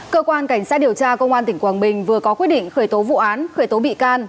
cơ quan cảnh sát điều tra công an tỉnh quảng bình vừa có quyết định khởi tố vụ án khởi tố bị can